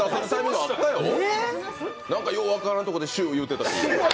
なんかよう分からんとこでシュー言うてたし。